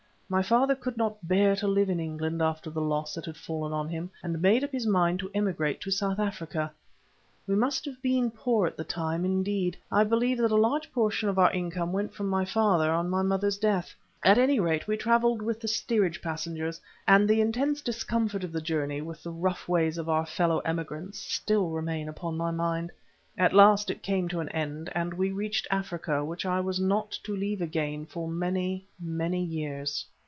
My father could no longer bear to live in England after the loss that had fallen on him, and made up his mind to emigrate to South Africa. We must have been poor at the time—indeed, I believe that a large portion of our income went from my father on my mother's death. At any rate we travelled with the steerage passengers, and the intense discomfort of the journey with the rough ways of our fellow emigrants still remain upon my mind. At last it came to an end, and we reached Africa, which I was not to leave again for many, many years.